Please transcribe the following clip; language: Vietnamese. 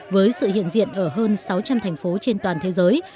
với sự hiện diện ở hơn sáu trăm linh thành phố trên toàn thế giới